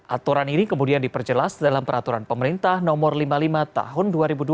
aturan ini kemudian diperjelas dalam peraturan pemerintah no lima puluh lima tahun dua ribu dua puluh